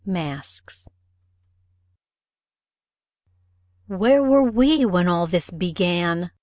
MASKS "Where were we when all this began?"